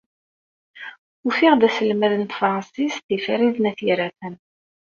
Ufiɣ-d aselmad n tefṛansit i Farid n At Yiraten.